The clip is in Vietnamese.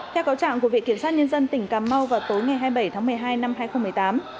theo cáo trạng của viện kiểm sát nhân dân tỉnh cà mau vào tối ngày hai mươi bảy tháng một mươi hai năm hai nghìn một mươi tám